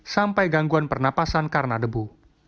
sampai gangguan pernapasan karena debu